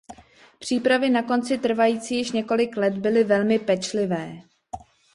Přípravy na koncil trvající již několik let byly velmi pečlivé.